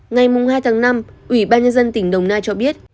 ngày hai tháng năm ủy ban nhân dân tỉnh đồng nai cho biết